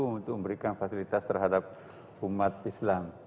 untuk memberikan fasilitas terhadap umat islam